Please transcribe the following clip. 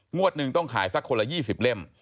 หนึ่งต้องขายสักคนละ๒๐เล่ม